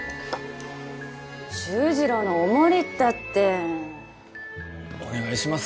周二郎のお守りったってお願いします